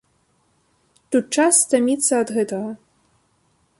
Тут час стаміцца ад гэтага.